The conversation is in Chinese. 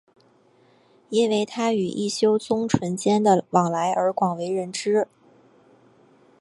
因为他与一休宗纯间的往来而广为人知。